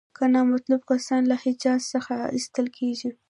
که نامطلوب کسان له حجاز څخه ایستل کیږي.